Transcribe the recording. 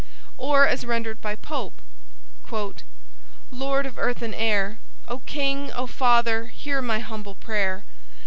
Or, as rendered by Pope, "... Lord of earth and air! O king! O father! hear my humble prayer!